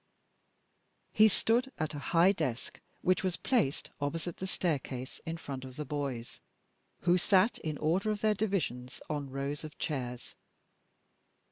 He stood at a high desk which was placed opposite the staircase in front of the boys, who sat, in the order of their divisions, on rows of chairs.